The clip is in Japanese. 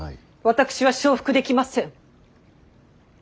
私は承服できません。